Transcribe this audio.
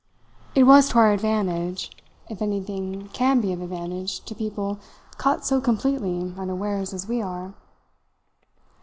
It was to our advantage, if anything can be of advantage to people caught so completely unawares as we are.